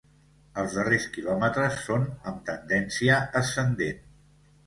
Els darrers quilòmetres són amb tendència ascendent.